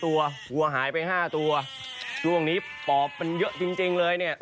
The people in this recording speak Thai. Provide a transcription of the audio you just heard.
วิชอแพง